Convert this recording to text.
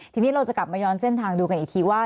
ทีนี้เราจะกลับมาย้อนเส้นทางดูกันอีกทีว่า